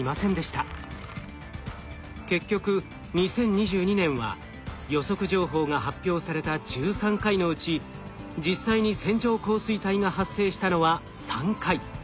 結局２０２２年は予測情報が発表された１３回のうち実際に線状降水帯が発生したのは３回。